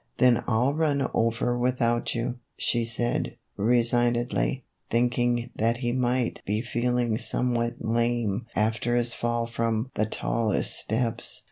" Then I '11 run over without you," she said, re signedly, thinking that he might be feeling some what lame after his fall from " the tallest steps."